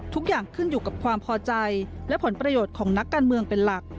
ทุกอย่างขึ้นอยู่กับความพอใจและผลประโยชน์ของนักการเมืองเป็นหลัก